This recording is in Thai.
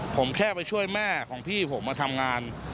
ผมแค่ไปช่วยแม่ของพี่ผมมาทำงาน